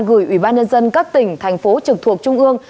gửi ủy ban nhân dân các tỉnh thành phố trực thuộc trung ương